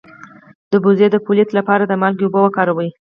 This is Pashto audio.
د پوزې د پولیت لپاره د مالګې اوبه وکاروئ